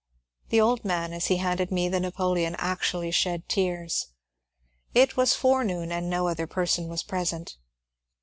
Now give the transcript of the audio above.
The old man as he handed me the napoleon actually shed tears. It was forenoon, and no other person was present.